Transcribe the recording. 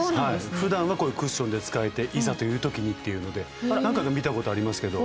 ふだんはこういうクッションで使えていざという時にっていうので何かで見たことありますけど。